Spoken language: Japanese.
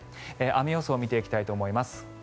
雨予想を見ていきたいと思います。